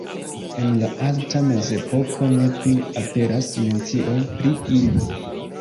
En la Alta Mezepoko ne plu aperas mencioj pri ili.